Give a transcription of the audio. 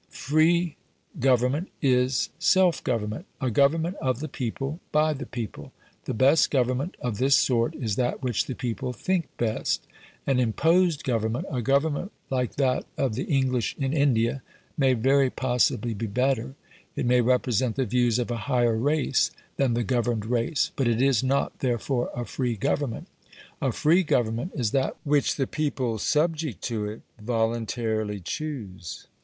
Free government is self government a government of the people by the people. The best government of this sort is that which the people think best. An imposed government, a government like that of the English in India, may very possibly be better; it may represent the views of a higher race than the governed race; but it is not therefore a free government. A free government is that which the people subject to it voluntarily choose.